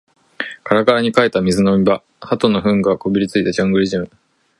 カラカラに乾いた水飲み場、鳩の糞がこびりついたジャングルジム